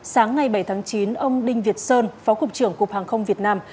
sáng ngày bảy tháng chín ông đinh việt sơn phó cục trưởng cục hàng không việt nam